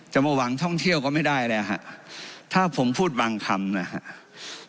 จะมาหวังท่องเที่ยวก็ไม่ได้แล้วฮะถ้าผมพูดบางคำนะครับ